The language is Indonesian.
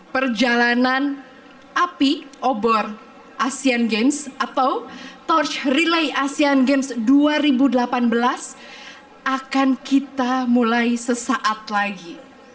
perjalanan api obor asean games atau torch relay asean games dua ribu delapan belas akan kita mulai sesaat lagi